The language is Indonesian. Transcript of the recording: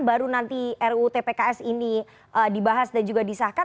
baru nanti rut pks ini dibahas dan juga disahkan